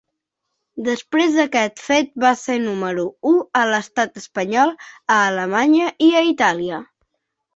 Després d'aquest fet va ser número u a l'estat espanyol, a Alemanya i a Itàlia.